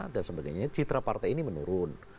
dan sebagainya citra partai ini menurun